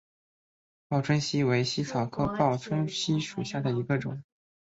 报春茜为茜草科报春茜属下的一个种。